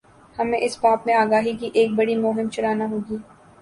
ہمیں اس باب میں آگاہی کی ایک بڑی مہم چلانا ہو گی۔